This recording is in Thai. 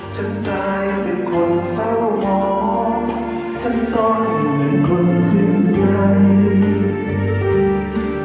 ฉันได้เป็นคนเศร้าห่องฉันต้องเป็นคนสิ่งใหญ่